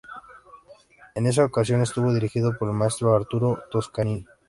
En esa ocasión estuvo dirigido por el maestro Arturo Toscanini.